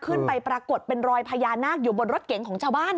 ปรากฏเป็นรอยพญานาคอยู่บนรถเก๋งของชาวบ้าน